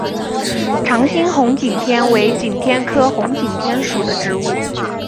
长蕊红景天为景天科红景天属的植物。